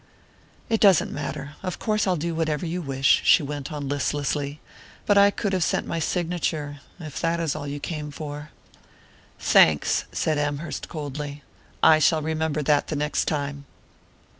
"It doesn't matter of course I'll do whatever you wish," she went on listlessly. "But I could have sent my signature, if that is all you came for " "Thanks," said Amherst coldly. "I shall remember that the next time."